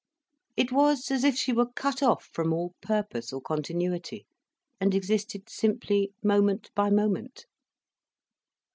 It was as if she were cut off from all purpose or continuity, and existed simply moment by moment.